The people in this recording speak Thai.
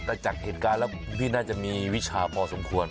แต่จากเหตุการณ์แล้วพี่น่าจะมีวิชาพอสมควร